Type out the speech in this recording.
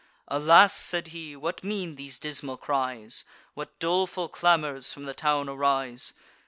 "Alas!" said he, "what mean these dismal cries? What doleful clamours from the town arise?"